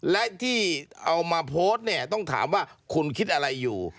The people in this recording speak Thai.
และที่เอามาโพสต์เนี่ยต้องถามว่าคุณคิดอะไรอยู่